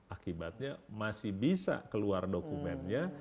akibatnya masih bisa keluar dokumennya